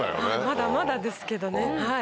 まだまだですけどねはい。